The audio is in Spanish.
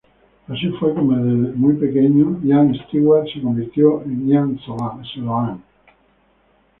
Así fue como, desde muy pequeño, Ian Stewart se convirtió en Ian Sloane.